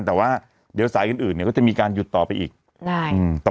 แต่ว่าเดี๋ยวสายอื่นอื่นเนี่ยก็จะมีการหยุดต่อไปอีก